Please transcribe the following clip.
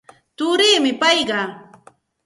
Turiimi payqa.